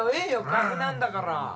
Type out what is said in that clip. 客なんだから。